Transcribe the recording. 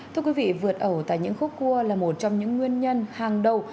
thưa quý vị vượt ẩu tại những khúc cua là một trong những nguyên nhân hàng đầu